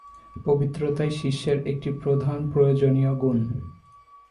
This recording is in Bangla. পবিত্রতাই শিষ্যের একটি প্রধান প্রয়োজনীয় গুণ।